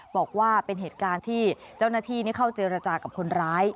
บอกว่าเป็นเหตุการณ์ที่เจ้าหน้าที่เข้าเจรจากับคนร้าย